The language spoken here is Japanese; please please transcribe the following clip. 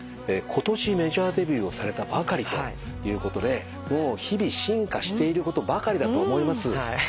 今年メジャーデビューをされたばかりということで日々進化していることばかりだと思います。